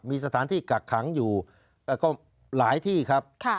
มีสถานที่กักขังอยู่ก็หลายที่ครับ